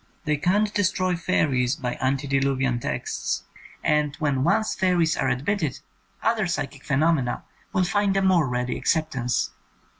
They can't destroy fairies by antediluvian texts, and when once fairies are admitted other psychic phenomena will find a more ready acceptance.